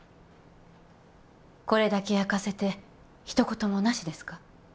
これだけ焼かせて一言もなしですか？